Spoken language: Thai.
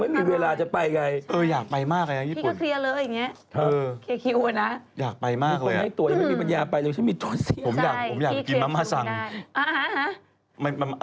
พวกเราไม่มีเวลาจะไปไง